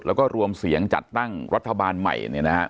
แล้วก็รวมเสียงจัดตั้งรัฐบาลใหม่